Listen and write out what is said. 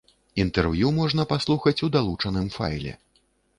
Інтэрв'ю можна паслухаць у далучаным файле.